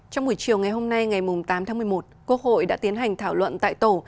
trong buổi chiều ngày hôm nay ngày tám tháng một mươi một quốc hội đã tiến hành thảo luận tại tổ